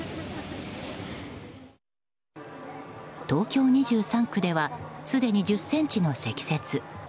東京２３区ではすでに１０ｃｍの積雪。